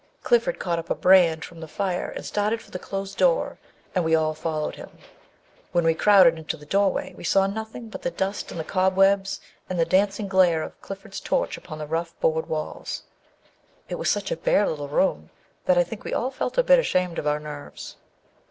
Clifford caught up a brand from the fire and started for the closed door, and we all followed him. When we crowded into the doorway we saw nothing but the dust and the cobwebs and the dancing glare of Clifford's torch upon the rough board walls. It was such a bare little room that I think we all felt a bit ashamed of our nerves.